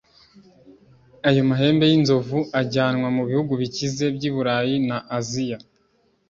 Ayo mahembe y’inzovu ajyanwa mu bihugu bikize by’Iburayi na Aziya